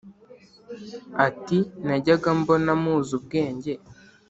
Ati: Najyaga mbona muzi ubwenge